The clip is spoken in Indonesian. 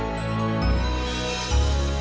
neng ini terma